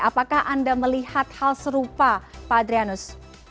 apakah anda melihat hal serupa pak adrianus